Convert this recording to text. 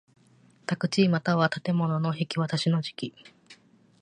宅地又は建物の引渡しの時期